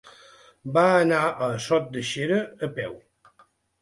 Va anar a Sot de Xera a peu.